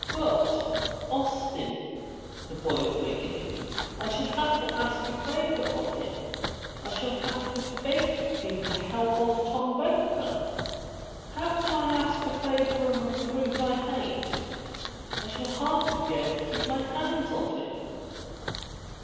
But, Austin," the boy pleaded, "I shall have to ask a favor of him. I shall have to beg him to help off Tom Bakewell. How can I ask a favor of a brute I hate? I shall hardly be able to keep my hands off him."